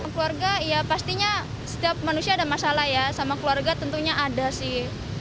keluarga ya pastinya setiap manusia ada masalah ya sama keluarga tentunya ada sih